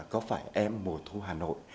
có phải em mùa thu hà nội